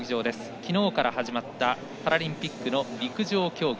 昨日から始まったパラリンピック陸上競技。